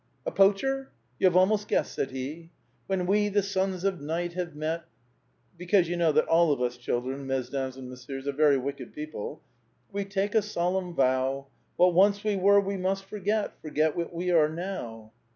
'A poacher?' ^ You have almost guessed,' said he ;^ When we, the sons of night, have met, — because you know that all of us, children, mesdames and and messieurs, are very wicked people, — We take a solemn vow. What once we were we must forget^ Forget what we are now.